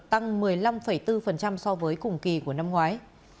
tăng một mươi năm bốn so với cùng kỳ của năm ngoái